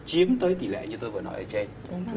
chiếm tới tỷ lệ như tôi vừa nói ở trên